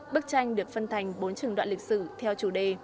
bức tranh được phân thành bốn trường đoạn lịch sử theo chủ đề